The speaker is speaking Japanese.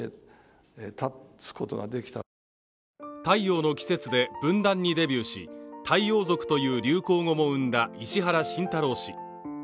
「太陽の季節」で文壇にデビューし太陽族という流行語も生んだ石原慎太郎氏。